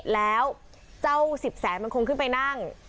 แล้วเจ้าสิบแสนมันคงขึ้นไปนั่ง